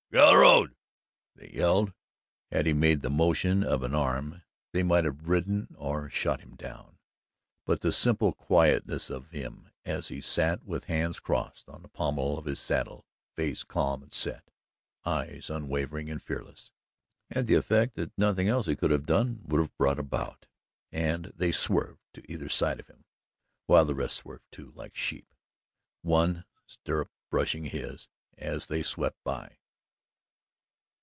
"Git out o' the road!" they yelled. Had he made the motion of an arm, they might have ridden or shot him down, but the simple quietness of him as he sat with hands crossed on the pommel of his saddle, face calm and set, eyes unwavering and fearless, had the effect that nothing else he could have done would have brought about and they swerved on either side of him, while the rest swerved, too, like sheep, one stirrup brushing his, as they swept by.